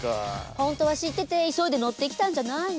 本当は知ってて急いで乗ってきたんじゃないの？